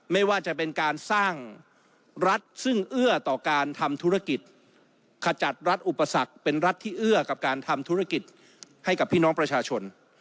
ไม่ว่าจะเป็นการสร้างรัฐซึ่งเอื้อต่อการทำธุรกิจขจัดรัฐอุปสรรคเป็นรัฐที่เอื้อกับการทำธุรกิจให้กับพี่น้องประชาชน